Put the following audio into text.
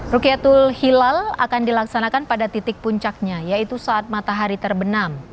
rukyatul hilal akan dilaksanakan pada titik puncaknya yaitu saat matahari terbenam